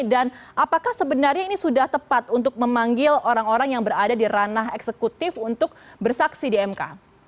dan apakah sebenarnya ini sudah tepat untuk memanggil orang orang yang berada di ranah eksekutif untuk bersaksi di mk